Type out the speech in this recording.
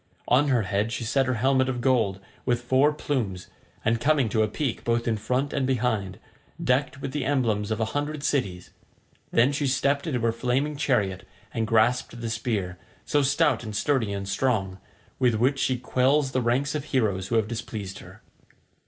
On her head she set her helmet of gold, with four plumes, and coming to a peak both in front and behind—decked with the emblems of a hundred cities; then she stepped into her flaming chariot and grasped the spear, so stout and sturdy and strong, with which she quells the ranks of heroes who have displeased her.